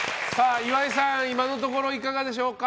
岩井さん、今のところいかがでしょうか。